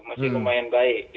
masih lumayan baik